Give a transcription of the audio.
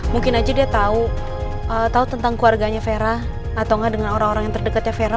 mungkin aja dia tahu tentang keluarganya vera atau nggak dengan orang orang yang terdekatnya vera